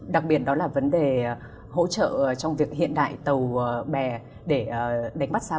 đặc biệt đó là vấn đề hỗ trợ trong việc hiện đại tàu bè để đánh bắt xa